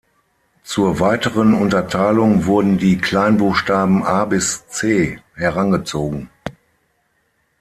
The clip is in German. Zur weiteren Unterteilung wurden die Kleinbuchstaben a–c herangezogen.